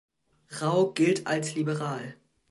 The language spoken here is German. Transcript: Rau gilt als liberal.